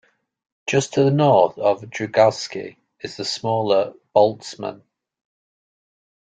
Just to the north of Drygalski is the smaller Boltzmann.